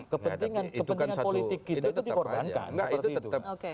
kepentingan kepentingan politik kita itu dikorbankan